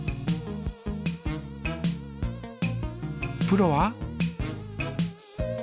プロは？